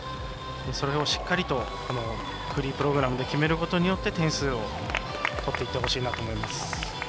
それをしっかりとフリープログラムで決めることによって点数を取っていってほしいなと思います。